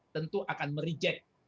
tentu akan mereject